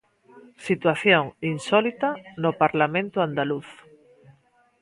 Situación insólita no Parlamento andaluz.